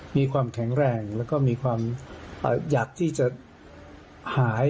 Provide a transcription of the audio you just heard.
มีความแข็งแรงแล้วก็มีความอยากที่จะหาย